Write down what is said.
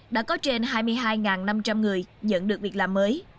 đã có trên hai mươi hai năm trăm linh người nhận được việc làm mới